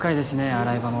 洗い場も。